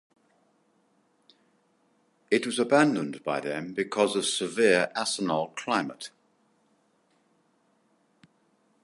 It was abandoned by them because of severe Asansol climate.